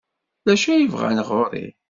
D acu ay bɣan ɣer-i?